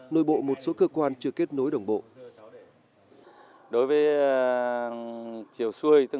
nội bộ một số cơ quan chưa kết nối đồng bộ